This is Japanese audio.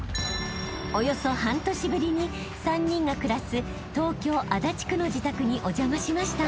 ［およそ半年ぶりに３人が暮らす東京足立区の自宅にお邪魔しました］